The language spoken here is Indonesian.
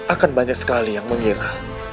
akan banyak sekali yang mengira